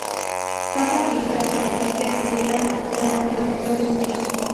Son partículas sólidas que se generan de la condensación fundidos.